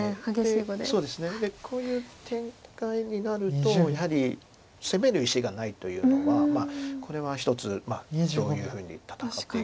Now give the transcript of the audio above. こういう展開になるとやはり攻める石がないというのはこれはひとつどういうふうに戦っていくかという。